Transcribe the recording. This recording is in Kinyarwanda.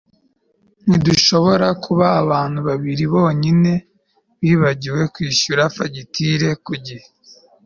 ntidushobora kuba abantu babiri bonyine bibagiwe kwishyura fagitire ku gihe